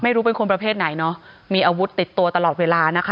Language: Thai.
ไม่รู้เป็นคนประเภทไหนเนอะมีอาวุธติดตัวตลอดเวลานะคะ